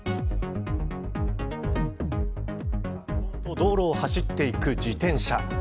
道路を走っていく自転車。